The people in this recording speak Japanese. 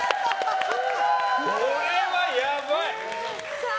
これはやばい！